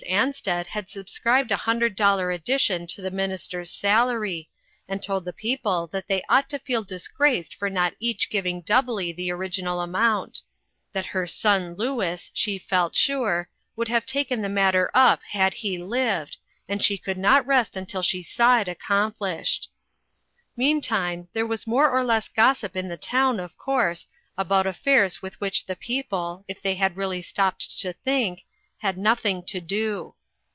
Ansted had subscribed a hundred dollar addition to the minister's salary, and told the people that they ought to feel disgraced for not each giving doubly the original amount; that her son Louis, she felt sure, would have taken the matter up had he lived, and she could not rest until she saw it accomplished. Meantime, there was more or less gossip in the town, of course, about affairs with which the people, if they had really stopped to think, had nothing to do.